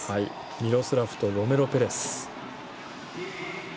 ミロスラフとロメロペレス。